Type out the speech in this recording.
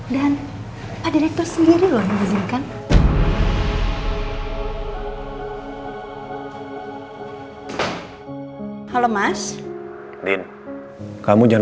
dan pak direktur sendiri lho yang mengizinkan